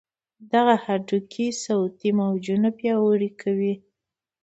دغه هډوکي صوتي موجونه پیاوړي کوي.